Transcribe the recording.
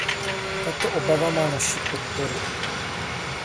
Tato obava má naši podporu.